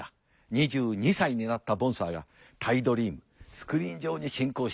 ２２歳になったボンサーがタイドリームスクリーン上に進行していく。